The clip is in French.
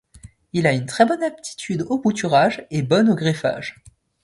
Il a une très bonne aptitude au bouturage et bonne au greffage.